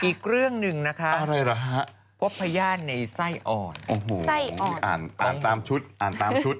อีกเรื่องหนึ่งนะคะพ่อพญาณในไส้อ่อนโอ้โฮอ่อน